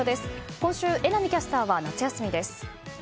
今週、榎並キャスターは夏休みです。